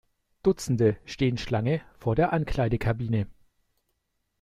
Dutzende stehen Schlange vor der Ankleidekabine.